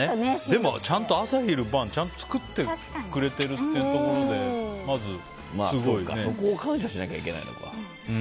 でもちゃんと朝昼晩ちゃんと作ってくれてるってところでそこを感謝しなきゃいけないのか。